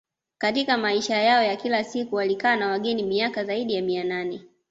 Katika maisha yao ya kila siku walikaa na wageni miaka zaidi ya mia nane